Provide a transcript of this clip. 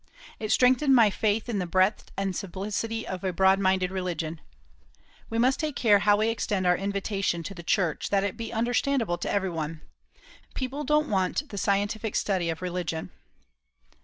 It strengthened my faith in the breadth and simplicity of a broadminded religion. We must take care how we extend our invitation to the Church, that it be understandable to everyone. People don't want the scientific study of religion.